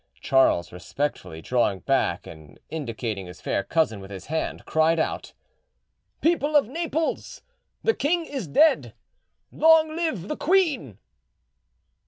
Charles respectfully drawing back and indicating his fair cousin with his hand, cried out— "People of Naples, the King is dead: long live the Queen!"